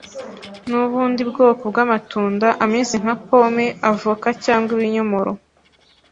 n’ubundi bwoko bw’amatunda ameze nka pome, avoka cyangwa ibinyomoro